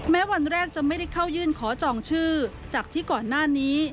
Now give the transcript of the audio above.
แม้วันแรกจะไม่ได้เข้ายื่นขอจองชื่อจากที่ก่อนหน้านี้